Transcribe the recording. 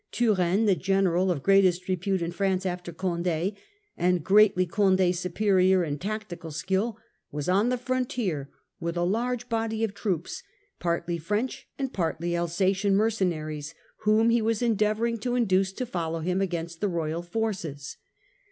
Turenne, the general of greatest repute in France after Conde, and Turenne's greatly Condd's superior in tactical skill, was thTrevoft in on ^ ie fr° nt i er with a large body of troops, Normandy, partly French and partly Alsatian mercenaries, whom he was endeavouring to induce to follow him against the royal forces.